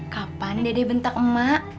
kapan dede bentak mak